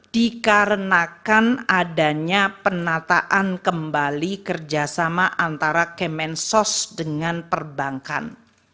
dikarenakan adanya penataan kembali kerjasama antara kemensos dengan perbankan